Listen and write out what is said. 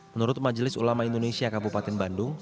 menurut majelis ulama indonesia kabupaten bandung